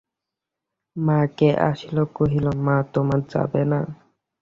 মাকে আসিয়া কহিল, মা, তোমরা যাবে না?